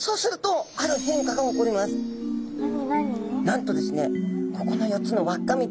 なんとですね